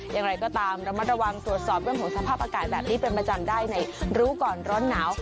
อย่างไรก็ตามระมัดระวังตรวจสอบเรื่องของสภาพอากาศแบบนี้เป็นประจำได้ในรู้ก่อนร้อนหนาว